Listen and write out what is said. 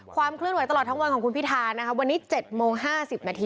ความเคลื่อนไหวตลอดทั้งวันของคุณพิธานะคะวันนี้๗โมง๕๐นาที